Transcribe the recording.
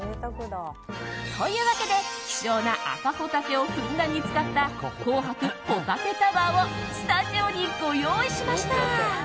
というわけで、希少な赤ホタテをふんだんに使った紅白ホタテタワーをスタジオにご用意しました。